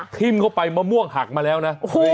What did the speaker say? ทิ้มเข้าไปมะม่วงหักมาแล้วนะ